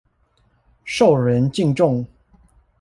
受人敬重